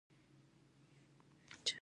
لامبو وهل یو ښه ورزش دی.